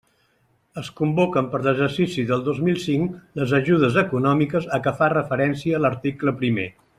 Es convoquen per a l'exercici del dos mil cinc les ajudes econòmiques a què fa referència l'article primer.